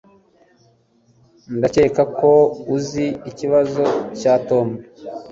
Ndakeka ko uzi ikibazo cya Tom